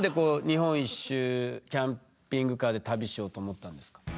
日本一周キャンピングカーで旅しようと思ったんですか？